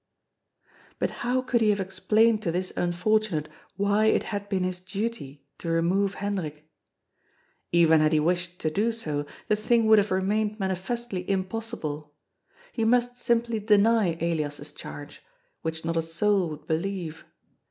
But how could he have explained to this unfortunate why it had been his duty to remove Hendrik ? Even had he 444 <}OD*S FOOL. wished to do bo, the thing would have remained manifestly impossible. He must simply deny Elias's charge, which not a soul would believe.